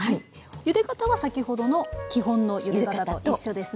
ゆで方は先ほどの基本のゆで方と一緒ですね。